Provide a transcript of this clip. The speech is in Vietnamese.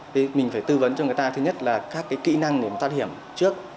thì mình phải tư vấn cho người ta thứ nhất là các kỹ năng để mà thoát hiểm trước